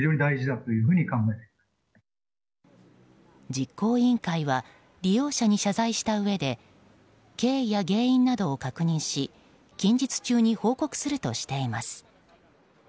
実行委員会は利用者に謝罪したうえで経緯や原因などを確認し近日中に報告するとしています。